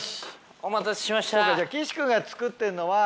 お待たせしました。